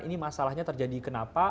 ini masalahnya terjadi kenapa